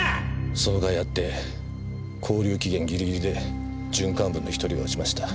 その甲斐あって拘留期限ギリギリで準幹部の１人が落ちました。